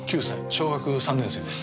小学３年生です。